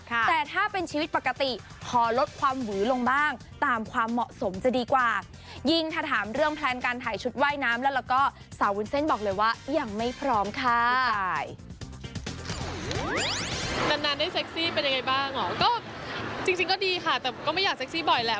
นานได้เซ็กซี่เป็นยังไงบ้างอ๋อก็จริงก็ดีค่ะแต่ก็ไม่อยากเซ็กซี่บ่อยแหละ